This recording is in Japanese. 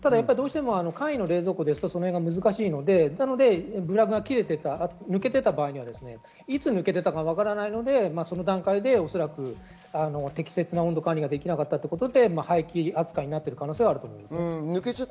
簡易冷蔵庫だと難しいのでプラグが抜けていた場合、いつ抜けていたかが分からないので、その段階で適切な温度管理ができなかったということで、廃棄扱いになっている可能性があると思います。